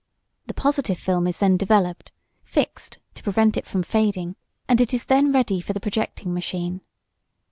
The positive film is then developed, "fixed" to prevent it from fading, and it is then ready for the projecting machine.